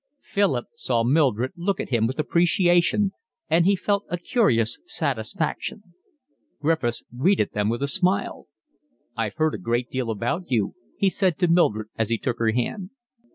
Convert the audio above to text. Philip saw Mildred look at him with appreciation, and he felt a curious satisfaction. Griffiths greeted them with a smile. "I've heard a great deal about you," he said to Mildred, as he took her hand.